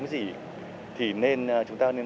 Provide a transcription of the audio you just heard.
cái gì thì chúng ta nên